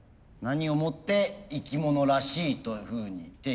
何をもって生き物らしいというふうに定義するのか。